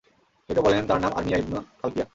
কেউ কেউ বলেন, তাঁর নাম আরমীয়া ইবন খালকীয়া।